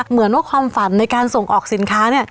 เหมือนว่าความฝันในการส่งออกสินค้า